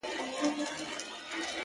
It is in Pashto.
o قاتل ژوندی دی، مړ یې وجدان دی،